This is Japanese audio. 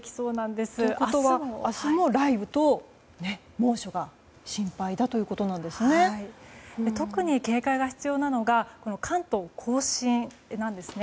明日も雷雨と猛暑が特に警戒が必要なのが関東・甲信なんですね。